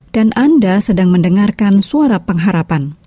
dan anda sedang mendengarkan suara pengharapan